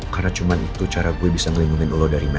karena cuman itu cara gue bisa ngelingungin lo dari mel